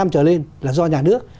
năm trở lên là do nhà nước